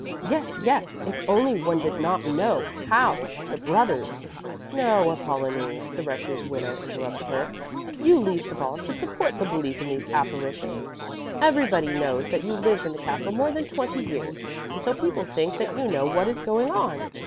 "Yes, yes, if only one did not know how the brothers " "No, Apollonie," the rector's widow interrupted her, "you least of all should support the belief in these apparitions. Everybody knows that you lived in the castle more than twenty years, and so people think that you know what is going on.